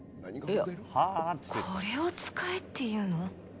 これを使えって言うの？